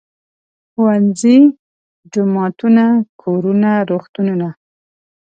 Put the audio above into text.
ښوونځي، جوماتونه، کورونه، روغتونونه.